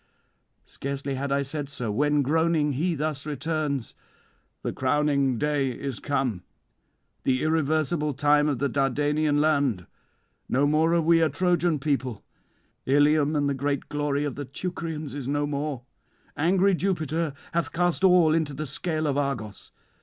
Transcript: Scarcely had I said so, when groaning he thus returns: "The crowning day is come, the irreversible time of the Dardanian land. No more are we a Trojan people; Ilium and the great glory of the Teucrians is no more. Angry Jupiter hath cast all into the scale of Argos.